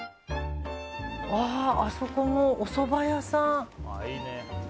あそこもおそば屋さん。